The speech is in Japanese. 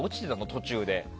途中で。